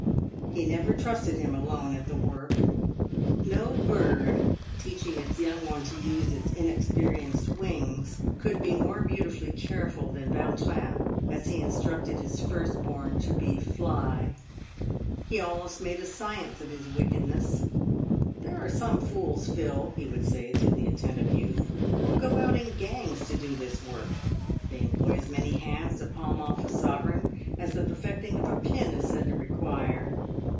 He never trusted him alone at the work. No bird teaching its young one to use its inexperienced wings could be more beautifully careful than Vautrin as he instructed his first born to be " fly." He almost made a science of his wickedness. " There are some fools, Phil," he would say to the attentive youth, " who go out in gangs to do this work. They employ as many hands to palm off a sovereign as the perfecting of a pin is said to require.